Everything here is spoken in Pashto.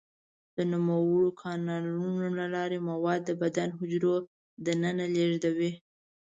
د نوموړو کانالونو له لارې مواد د بدن د حجرو دننه لیږدوي.